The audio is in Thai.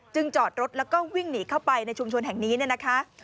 จอดรถแล้วก็วิ่งหนีเข้าไปในชุมชนแห่งนี้เนี่ยนะคะ